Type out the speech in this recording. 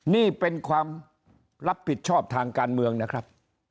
นี่เป็นความรับผิดชอบทางการเมืองนะครับ